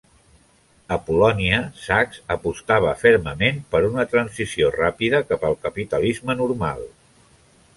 A Polònia, Sachs apostava fermament per una transició ràpida cap al capitalisme "normal".